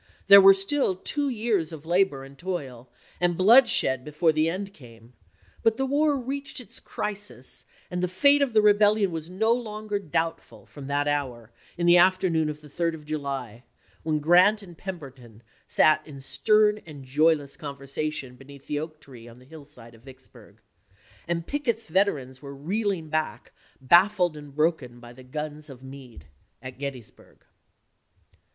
There were still two years of labor, and toil, and bloodshed before the end came, but the war reached its crisis and the fate of the rebel lion was no longer doubtful from that hour, in the afternoon of the 3d of July, when Grant and Pern i863. berton sat in stern and joyless conversation be neath the oak tree on the hillside of Vicksburg, and Pickett's veterans were reeling back, baffled and broken by the guns of Meade at Gettysburg.